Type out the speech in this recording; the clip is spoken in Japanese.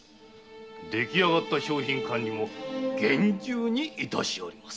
出来上がった商品管理も厳重にしております。